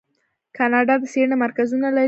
کاناډا د څیړنې مرکزونه لري.